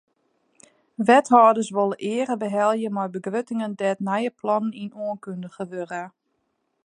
Wethâlders wolle eare behelje mei begruttingen dêr't nije plannen yn oankundige wurde.